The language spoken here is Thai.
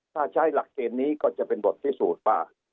ถ้าใช้หลักเทนนี้ก็จะเป็นบทที่สูตรป่ะ